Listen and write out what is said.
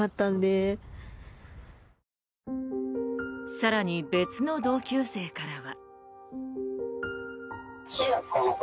更に、別の同級生からは。